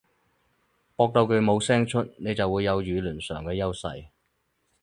駁到佢冇聲出，你就會有言論上嘅優勢